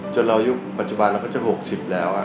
เรายุคปัจจุบันเราก็จะ๖๐แล้ว